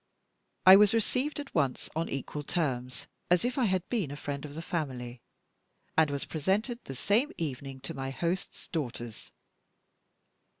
I was received at once on equal terms, as if I had been a friend of the family, and was presented the same evening to my host's daughters.